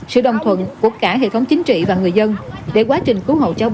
sự đồng thuận của cả hệ thống chính trị và người dân để quá trình cứu hộ cháu bé thuận lợi